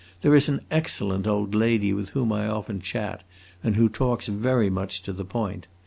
There is an excellent old lady with whom I often chat, and who talks very much to the point.